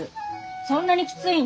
そんなにきついの？